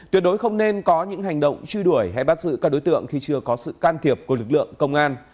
tuyệt đối không nên có những hành động truy đuổi hay bắt giữ các đối tượng khi chưa có sự can thiệp của lực lượng công an